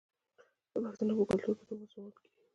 د پښتنو په کلتور کې د اوبو سپمول کیږي.